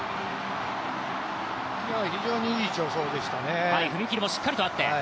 非常にいい助走でしたね。